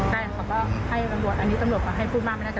ใช่เขาก็ให้ตำรวจอันนี้ตำรวจเขาให้พูดมากไม่แน่ใจ